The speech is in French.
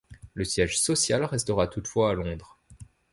Le siège social restera toutefois à Londres.